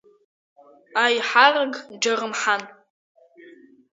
Аиҳарак Џьарымхан.